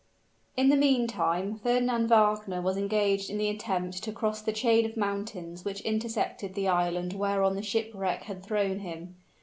In the meantime Fernand Wagner was engaged in the attempt to cross the chain of mountains which intersected the island whereon the shipwreck had thrown him.